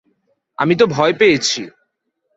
আমি তো ভয় পেয়েছি।